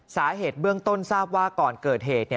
สาเหตุเบื้องต้นทราบว่าก่อนเกิดเหตุ